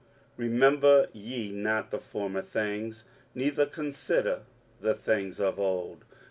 23:043:018 Remember ye not the former things, neither consider the things of old.